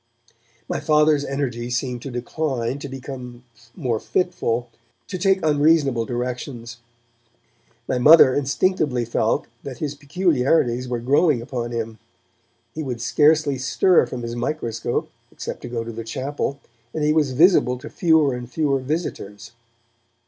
My Father's energy seemed to decline, to become more fitful, to take unseasonable directions. My mother instinctively felt that his peculiarities were growing upon him; he would scarcely stir from his microscope, except to go to the chapel, and he was visible to fewer and fewer visitors.